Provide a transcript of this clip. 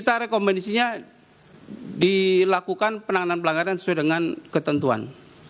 jadi kita rekomendasi nya dilakukan penanganan pelanggaran sesuai dengan ketentuan